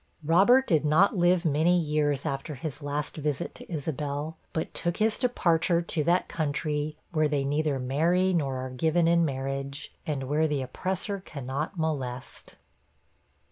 Robert did not live many years after his last visit to Isabel, but took his departure to that country, where 'they neither marry nor are given in marriage,' and where the oppressor cannot molest.